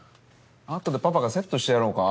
後でパパがセットしてやろうか？